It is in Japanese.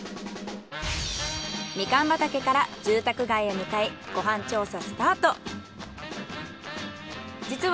ミカン畑から住宅街へ向かいご飯調査スタート。